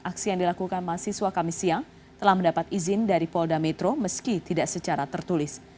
aksi yang dilakukan mahasiswa kami siang telah mendapat izin dari polda metro meski tidak secara tertulis